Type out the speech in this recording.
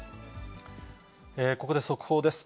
ここで速報です。